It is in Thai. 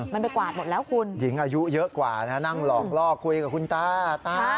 มันไปกวาดหมดแล้วคุณหญิงอายุเยอะกว่านะนั่งหลอกล่อคุยกับคุณตาตา